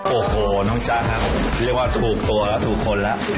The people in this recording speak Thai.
โอ้โหน้องจ๊ะครับเรียกว่าถูกตัวแล้วถูกคนแล้ว